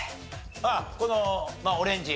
あっこのオレンジ？